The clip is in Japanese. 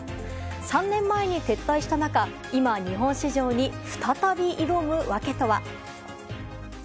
３年前に撤退した中今、日本市場に再び挑む訳とは？